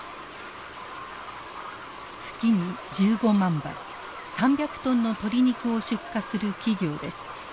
月に１５万羽３００トンの鶏肉を出荷する企業です。